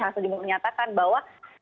hasil dimengatakan bahwa